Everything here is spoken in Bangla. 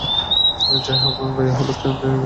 যাই হোক, গায়ে হলুদের দিন খুব রঙ খেলা হলো।